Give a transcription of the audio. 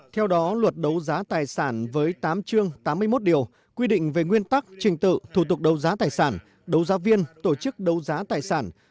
theo đó luật đấu giá tài sản với tám chương tám mươi một điều quy định về nguyên tắc trình tự thủ tục đấu giá tài sản đấu giá viên tổ chức đấu giá tài sản